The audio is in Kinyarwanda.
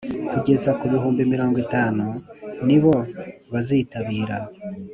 kugeza ku bihumbi mirongo itanu nibo bazitabira